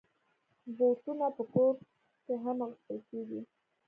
بوټونه په کور کې هم اغوستل کېږي.